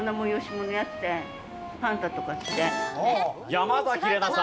山崎怜奈さん。